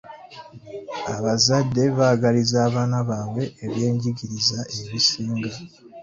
Abazadde baagaliza abaana baabwe ebyenjigiriza ebisinga.